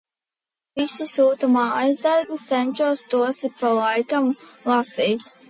Visi sūta mājas darbus, cenšos tos ik pa laikam lasīt.